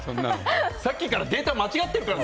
さっきからデータ間違ってるから！